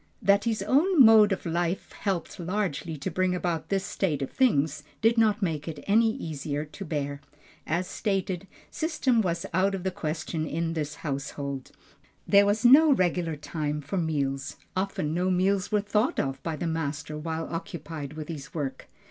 That his own mode of life helped largely to bring about this state of things, did not make it any easier to bear. As stated, system was out of the question in this household. There was no regular time for meals, often no meals were thought of by the master while occupied with his work.